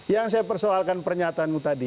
yang saya persoalkan pernyataanmu tadi